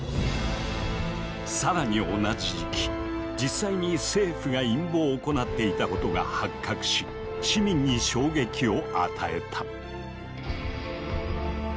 更に同じ時期実際に政府が陰謀を行っていたことが発覚し市民に衝撃を与えた。